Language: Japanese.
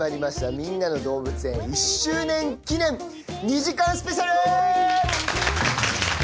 『みんなのどうぶつ園』１周年記念２時間スペシャル！